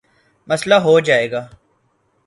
مسلہ ہو جائے گا۔